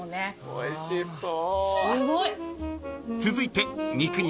おいしそう。